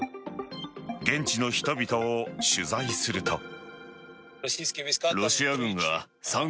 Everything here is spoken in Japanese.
現地の人々を取材すると。